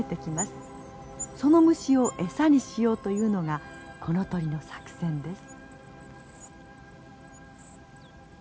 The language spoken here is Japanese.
その虫を餌にしようというのがこの鳥の作戦です。